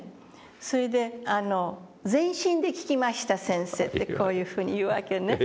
それで「全身で聞きました先生」とこういうふうに言うわけね。